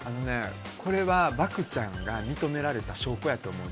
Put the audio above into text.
これは、漠ちゃんが認められた証拠やと思うねん。